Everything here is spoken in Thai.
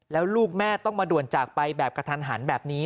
แล้วลูกแม่ต้องมาด่วนจากไปแบบกระทันหันแบบนี้